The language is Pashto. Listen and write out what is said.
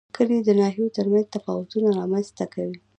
کلي د ناحیو ترمنځ تفاوتونه رامنځ ته کوي.